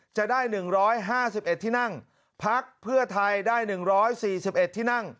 จะได้๑๕๑เขตพักเพื่อไทย๑๔๑เขต